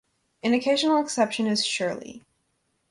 An occasional exception is "surely".